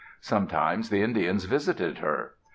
Sometimes the Indians visited her.